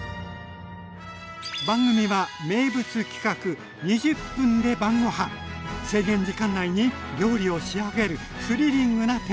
番組は名物企画制限時間内に料理を仕上げるスリリングな展開。